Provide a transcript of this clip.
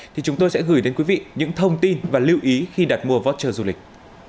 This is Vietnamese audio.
thì chúng tôi sẽ gửi đến quý vị những thông tin và lưu ý khi đặt mua voucher du lịch